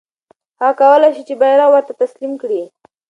هغه کولای سوای چې بیرغ ورته تسلیم کړي.